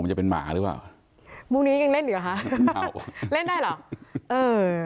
มันจะเป็นหมาหรือเปล่ามุ่งนี้ยังเล่นอยู่เหรอคะเล่นได้เหรอเออ